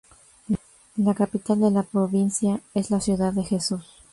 La capital de la provincia es la ciudad de Jesús.